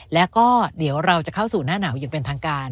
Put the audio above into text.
แล้วก็เดี๋ยวเราจะเข้าสู่หน้าหนาวอย่างเป็นทางการ